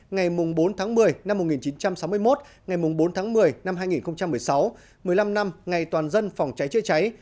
ngày bốn tháng một mươi năm một nghìn chín trăm sáu mươi một ngày bốn tháng một mươi năm hai nghìn một mươi sáu một mươi năm năm ngày toàn dân phòng cháy chữa cháy